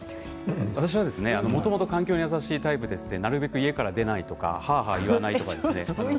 私はもともと環境に優しいタイプでなるべく家から出ないとかはあはあ言わないとか。